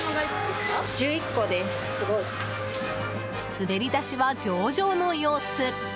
滑り出しは上々の様子。